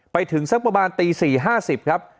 ไปถึงสักประมาณตี๔๕๐ครับ